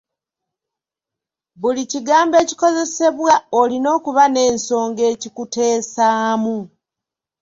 Buli kigambo ekikozesebwa olina okuba n'ensonga ekikuteesaamu.